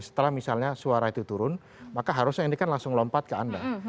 setelah misalnya suara itu turun maka harusnya ini kan langsung lompat ke anda